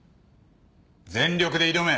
全力で挑め。